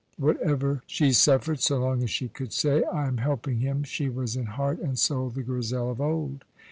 Whatever she suffered, so long as she could say, "I am helping him," she was in heart and soul the Grizel of old.